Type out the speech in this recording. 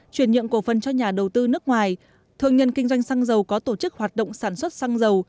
chuyển nhượng cổ phân cho nhà đầu tư nước ngoài thương nhân kinh doanh xăng dầu có tổ chức hoạt động sản xuất xăng dầu